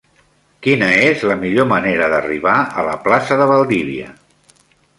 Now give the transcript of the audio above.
Quina és la millor manera d'arribar a la plaça de Valdivia?